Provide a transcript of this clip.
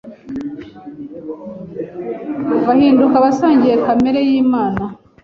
Bahinduka abasangiye kamere y’Imana,